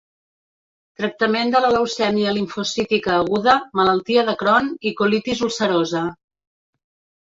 Tractament de la leucèmia limfocítica aguda, malaltia de Crohn i colitis ulcerosa.